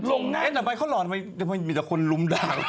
ลงงานทำไมเขาหล่อทำไมเพียวะมีแต่คนลุ้มดั่ง